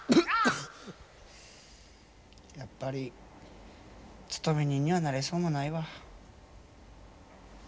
やっぱり勤め人にはなれそうもないわ。